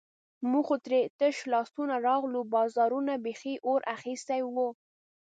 موږ خو ترې تش لاسونه راغلو، بازارونو بیخي اور اخیستی وو.